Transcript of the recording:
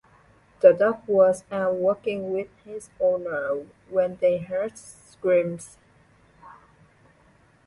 The dog was out walking with his owner when they heard screams.